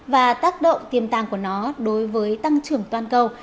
và tác động tiềm tàng của nó đối với tăng trưởng toàn cầu